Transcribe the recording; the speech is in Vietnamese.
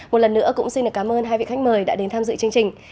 một lần nữa cũng xin được cảm ơn hai vị khách mời đã đến tham dự chương trình